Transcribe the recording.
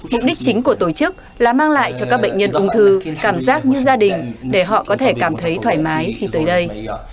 mục đích chính của tổ chức là mang lại cho các bệnh nhân ung thư cảm giác như gia đình để họ có thể cảm thấy thoải mái khi tới đây